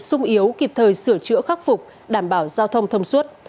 sung yếu kịp thời sửa chữa khắc phục đảm bảo giao thông thông suốt